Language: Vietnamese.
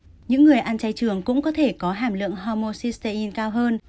những người ăn chay trường cũng có thể có hàm lượng homocysteine cao hơn